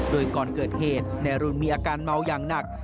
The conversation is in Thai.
โดยก่อนเกิดเหตุนายรุนมีอาการเมาอย่างหนัก